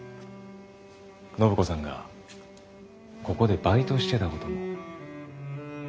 暢子さんがここでバイトをしてたことも。